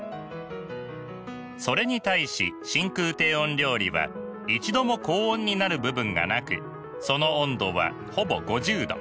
それに対し真空低温料理は一度も高温になる部分がなくその温度はほぼ５０℃。